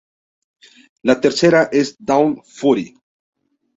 La tercera es Dawn Fury.